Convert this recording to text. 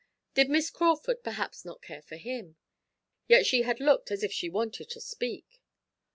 Did Miss Crawford perhaps not care for him? Yet she had looked as if she wanted to speak.